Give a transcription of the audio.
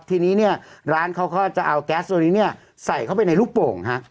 ทีนี้เนี่ยร้านเขาก็จะเอาแก๊สตัวนี้เนี่ยใส่เข้าไปในลูกโป่งฮะ